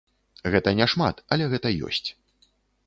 Гэта няшмат, але гэта ёсць.